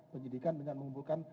penyidikan dengan mengumpulkan